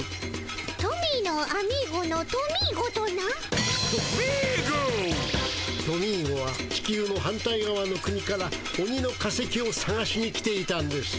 トミーゴは地球の反対がわの国からオニの化石をさがしに来ていたんです。